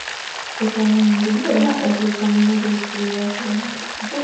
Poseen un diastema entre el canino y el primer premolar.